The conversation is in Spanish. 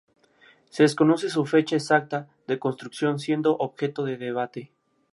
Se desconoce su fecha exacta de construcción, siendo objeto de debate.